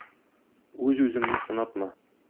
Үз-үзеңне сынатма!